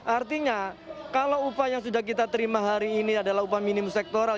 artinya kalau upah yang sudah kita terima hari ini adalah upah minimum sektoral